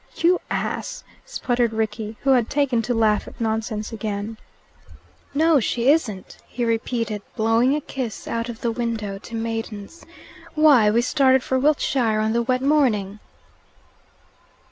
"You ass!" sputtered Rickie, who had taken to laugh at nonsense again. "No, she isn't," he repeated, blowing a kiss out of the window to maidens. "Why, we started for Wiltshire on the wet morning!"